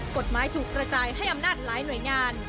กฎหมายถูกกระจายให้อำนาจหลายหน่วยงาน